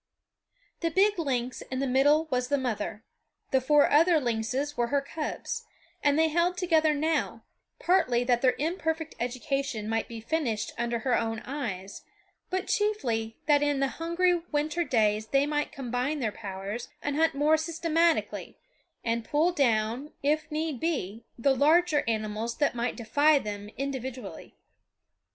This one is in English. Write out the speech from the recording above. The big lynx in the middle was the mother; the four other lynxes were her cubs; and they held together now, partly that their imperfect education might be finished under her own eyes, but chiefly that in the hungry winter days they might combine their powers and hunt more systematically, and pull down, if need be, the larger animals that might defy them individually.